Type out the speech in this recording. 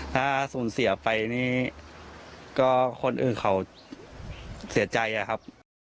ถ้าสูญเสียไปนี่ก็คนอื่นเขาเสียใจอะครับ